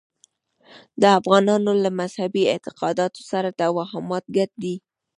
د افغانانو له مذهبي اعتقاداتو سره توهمات ګډ دي.